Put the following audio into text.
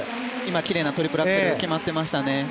きれいなトリプルアクセル決まっていましたね。